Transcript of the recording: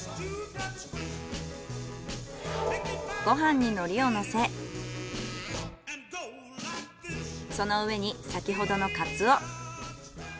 ご飯に海苔をのせその上に先ほどのカツオ。